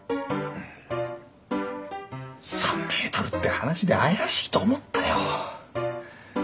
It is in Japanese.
３メートルって話で怪しいと思ったよ。